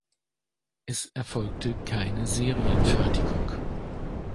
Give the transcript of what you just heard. Es erfolgte keine Serienfertigung.